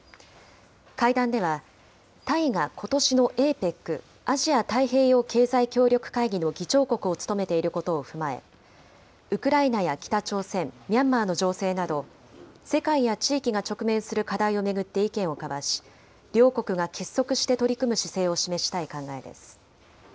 会談では、タイがことしのＡＰＥＣ・アジア太平洋経済協力会議の議長国を務めていることを踏まえ、ウクライナや北朝鮮、ミャンマーの情勢など、世界や地域が直面する課題を巡って意見を交わし、両国が結束して取り組む姿勢を示したい考えです。